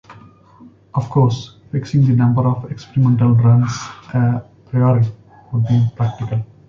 Of course, fixing the number of experimental runs "a priori" would be impractical.